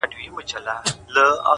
که زر کلونه ژوند هم ولرمه؛